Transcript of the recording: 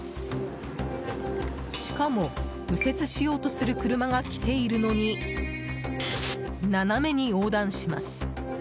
しかも右折しようとする車が来ているのに、斜めに横断します。